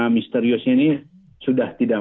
misteriusnya ini sudah tidak